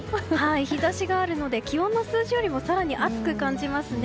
日差しがあるので気温の数字よりも更に暑く感じますね。